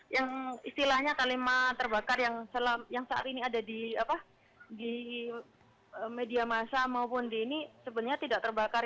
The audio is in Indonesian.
yang istilahnya kalimat terbakar yang saat ini ada di media masa maupun di ini sebenarnya tidak terbakar